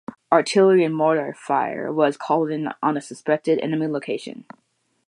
Artillery and mortar fire was called in on the suspected enemy location.